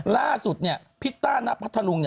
ล่าสุดนี่พี่ต้านักพัชราภาลุง